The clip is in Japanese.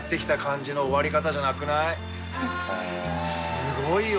すごいよ。